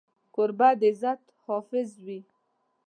کوربه د عزت حافظ وي.